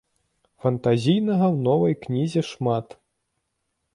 Фантазійнага ў новай кнізе шмат.